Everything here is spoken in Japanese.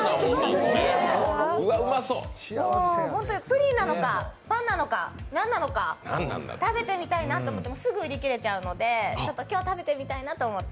プリンなのかパンなのか、何なのか食べてみたいなと思ってもすぐ売り切れちゃうので、今日食べてみたいなと思って。